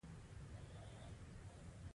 برعکس که وخت زیات شي نو بیه به لوړه وي.